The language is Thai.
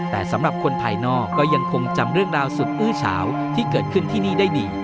แต่สำหรับคนภายนอกก็ยังคงจำเรื่องราวสุดอื้อเฉาที่เกิดขึ้นที่นี่ได้ดี